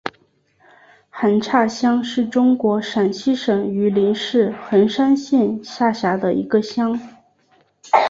韩岔乡是中国陕西省榆林市横山县下辖的一个乡。